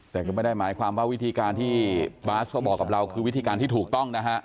แต่ก็ไม่ได้หมายความว่าวิธีการที่บาสเขาบอกกับเราคือวิธีการที่ถูกต้องนะฮะ